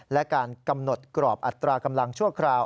และการกำหนดกรอบอัตรากำลังชั่วคราว